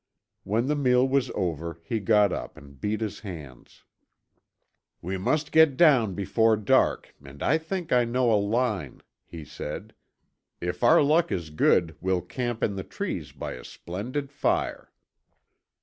When the meal was over he got up and beat his hands. "We must get down before dark and I think I know a line," he said. "If our luck is good, we'll camp in the trees by a splendid fire."